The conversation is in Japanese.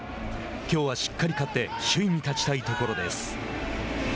きょうはしっかり勝って首位に立ちたいところです。